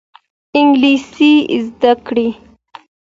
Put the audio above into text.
انګلیسي زده کړئ.